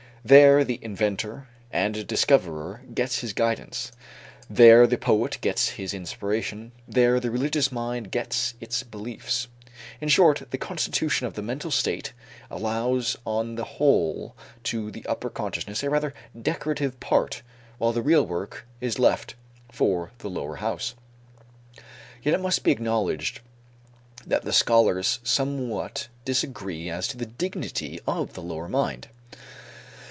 There the inventor and discoverer gets his guidance, there the poet gets his inspiration, there the religious mind gets its beliefs. In short, the constitution of the mental state allows on the whole to the upper consciousness a rather decorative part while the real work is left for the lower house. Yet it must be acknowledged that the scholars somewhat disagree as to the dignity of the lower mind.